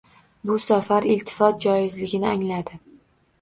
Bu safar iltifot joizligini angladi.